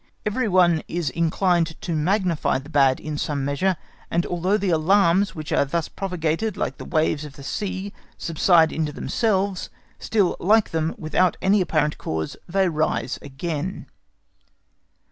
Every one is inclined to magnify the bad in some measure, and although the alarms which are thus propagated like the waves of the sea subside into themselves, still, like them, without any apparent cause they rise again.